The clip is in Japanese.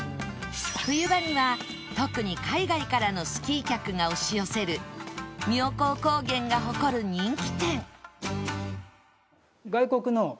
冬場には特に海外からのスキー客が押し寄せる妙高高原が誇る人気店